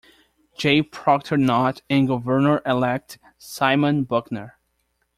J. Proctor Knott and Governor-elect Simon Buckner.